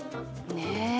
ねえ。